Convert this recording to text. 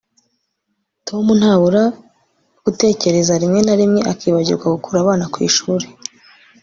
Tom ntabura gutekerezarimwe na rimwe akibagirwa gukura abana ku ishuri